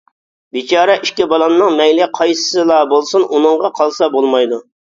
بىچارە ئىككى بالامنىڭ مەيلى قايسىسىلا بولسۇن ئۇنىڭغا قالسا بولمايدۇ.